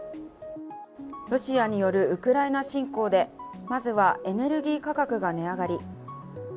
ロシアによるウクライナ侵攻でまずはエネルギー価格が値上がり。